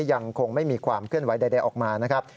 ยังคงไม่มีความเคลื่อนไหวใดออกมานะครับ